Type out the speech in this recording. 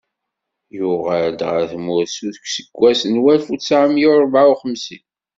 Yuɣal-d ɣer tmurt deg useggas n walef u tesεemya u rebεa u xemsin.